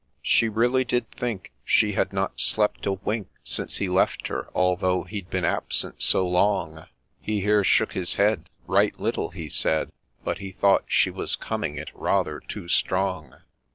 She ' really did think she had not slept a wink Since he left her, although he'd been absent so long,' He here shook his head, — right little he said, But he thought she was ' coming it rather too strong.'